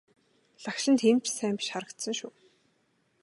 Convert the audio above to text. Лагшин нь тийм ч сайн биш харагдсан шүү.